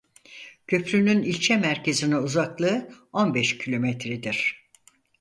Köprünün ilçe merkezine uzaklığı on beş kilometredir.